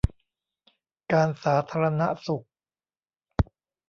การสาธารณสุข